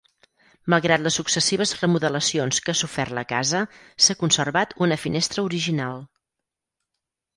Malgrat les successives remodelacions que ha sofert la casa, s'ha conservat una finestra original.